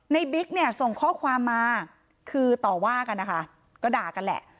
บิ๊กเนี่ยส่งข้อความมาคือต่อว่ากันนะคะก็ด่ากันแหละ